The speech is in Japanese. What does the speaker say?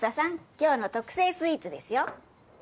今日の特製スイーツですよ。